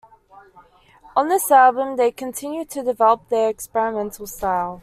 On this album, they continued to develop their experimental style.